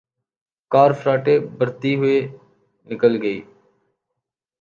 کار فراٹے بھرتی ہوئے نکل گئی۔